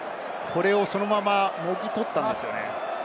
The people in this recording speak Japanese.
そのまま、もぎ取ったんですよね。